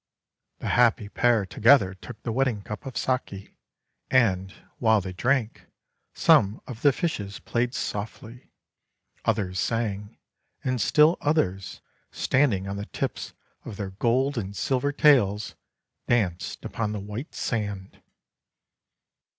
The happy pair together took the wedding cup of Saki, and, while they drank, some of the fishes played softly, others sang, and still others, standing on the tips of their gold and silver tails, danced upon the white sand.